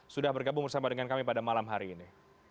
sudah bergabung bersama dengan kami pada malam hari ini